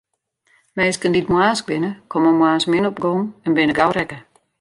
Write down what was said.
Minsken dy't moarnsk binne, komme moarns min op gong en binne gau rekke.